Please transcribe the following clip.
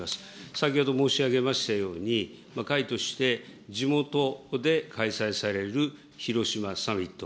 先ほど申し上げましたように、会として、地元で開催される広島サミット。